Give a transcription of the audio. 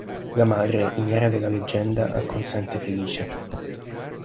La madre, ignara della leggenda, acconsente felice.